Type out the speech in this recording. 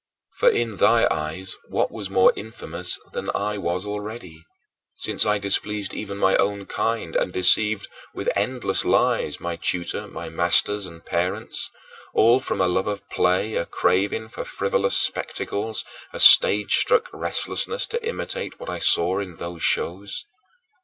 For in thy eyes, what was more infamous than I was already, since I displeased even my own kind and deceived, with endless lies, my tutor, my masters and parents all from a love of play, a craving for frivolous spectacles, a stage struck restlessness to imitate what I saw in these shows?